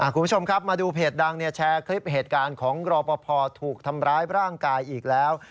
คุณผู้ชมครับมาดูเพจดังแชร์คลิปเหตุการณ์ของรอปภถูกทำร้ายร่างกายอีกแล้ว